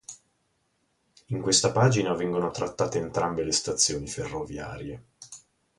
In questa pagina vengono trattate entrambe le stazioni ferroviarie.